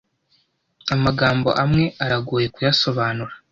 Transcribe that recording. Amagambo amwe aragoye kuyasobanura.